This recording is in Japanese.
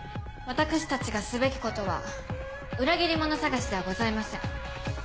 私たちがすべきことは裏切り者捜しではございません。